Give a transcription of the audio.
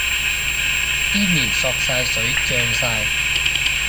啲麵索晒水脹晒